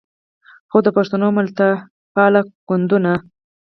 خو د پښتنو ملتپاله ګوندونو